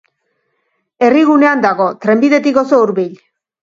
Herrigunean dago, trenbidetik oso hurbil.